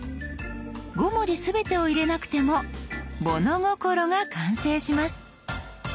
５文字全てを入れなくても「物心」が完成します。